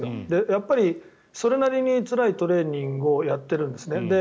やっぱり、それなりにつらいトレーニングをやっているんですね。